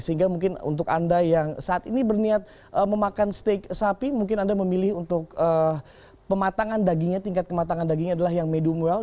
sehingga mungkin untuk anda yang saat ini berniat memakan steak sapi mungkin anda memilih untuk pematangan dagingnya tingkat kematangan dagingnya adalah yang medium well